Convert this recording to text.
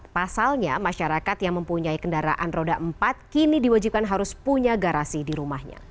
pasalnya masyarakat yang mempunyai kendaraan roda empat kini diwajibkan harus punya garasi di rumahnya